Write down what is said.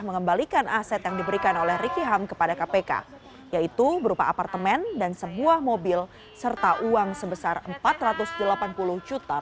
mengembalikan aset yang diberikan oleh riki ham kepada kpk yaitu berupa apartemen dan sebuah mobil serta uang sebesar empat ratus delapan puluh juta